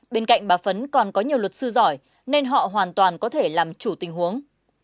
bên cạnh bà phấn còn có nhiều luật sư giỏi nên họ hoàn toàn có thể làm chủ tình huống